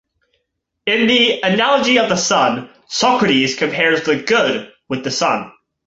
In the Analogy of the Sun, Socrates compares the "Good" with the sun.